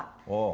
oh keren juga ya